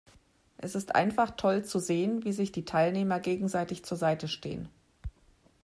Es ist einfach toll zu sehen, wie sich die Teilnehmer gegenseitig zur Seite stehen.